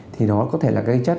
thì nó có thể là các chất